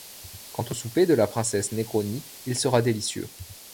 Quant au souper de la princesse Negroni, il sera délicieux.